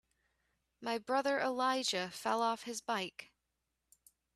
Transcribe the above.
My brother Elijah fell off his bike.